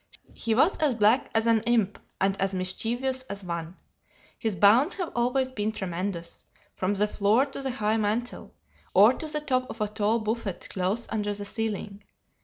"He was as black as an imp and as mischievous as one. His bounds have always been tremendous: from the floor to the high mantel, or to the top of a tall buffet close under the ceiling.